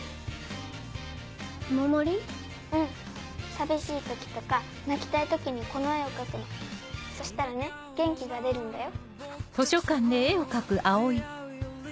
寂しい時とか泣きたい時にこの絵を描そしたらね元気が出るんだよ